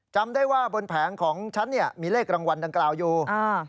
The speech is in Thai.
จำได้ว่าบนแผงของฉันมีเลขแหลงวัลดังกล่าวอยู่